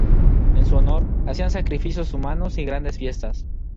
En su honor hacían sacrificios humanos y grandes fiestas.